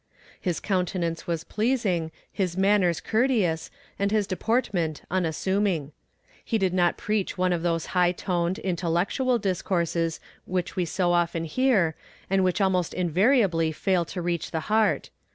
His countenance was pleasing, his manners courteous, and his deportment unassuming. He did not preach one of those high toned, intellectual discourses which we so often hear, and which almost invariably fail to reach the heart.